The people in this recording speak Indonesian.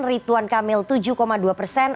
rituan kamil tujuh dua persen